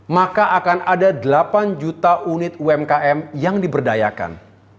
maka akan ada delapan juta unit umkm yang diberdayakan